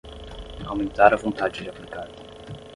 Aumentar a vontade de aplicar